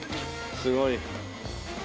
すごい。